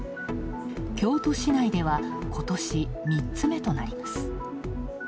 京都市内では、ことし３つ目となります。